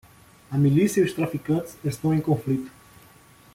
A milícia e os traficantes estão em conflito.